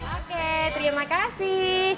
oke terima kasih